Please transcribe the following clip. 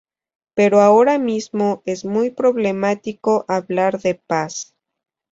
Pero ahora mismo es muy problemático hablar de paz.